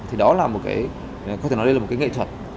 thì đó là một cái có thể nói đây là một cái nghệ thuật